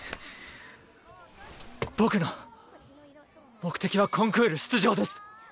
僕の目的はコンクール出場です。